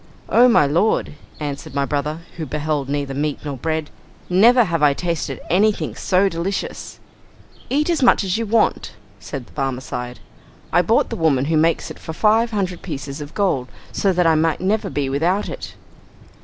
"Oh, my lord," answered my brother, who beheld neither meat nor bread, "never have I tasted anything so delicious." "Eat as much as you want," said the Barmecide. "I bought the woman who makes it for five hundred pieces of gold, so that I might never be without it."